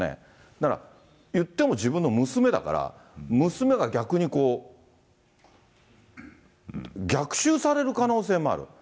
だからいっても自分の娘だから、娘が逆にこう、逆襲される可能性もある。